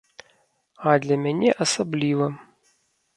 А для мяне асабліва.